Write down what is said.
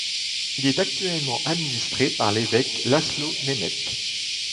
Il est actuellement administré par l'évêque László Német.